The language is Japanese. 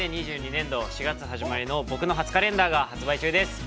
◆２０２２年度、４月始まりの僕の初カレンダーが発売中です。